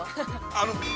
あの。